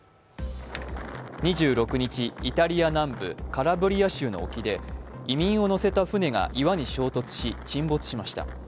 ２６日、イタリア南部カラブリア州の沖で移民を乗せた船が岩に衝突し沈没しました。